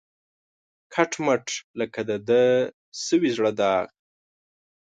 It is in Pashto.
کټ مټ لکه د ده د سوي زړه داغ